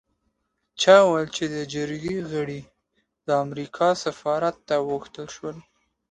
چا ویل چې د جرګې غړي د امریکا سفارت ته وغوښتل شول.